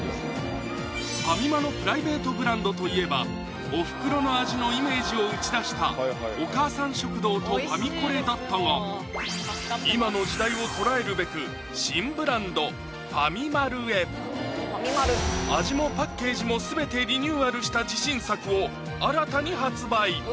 ファミマのプライベートブランドといえばおふくろの味のイメージを打ち出したお母さん食堂とファミコレだったが今の時代を捉えるべく新ブランド・ファミマルへ味もパッケージも全てリニューアルした自信作を新たに発売！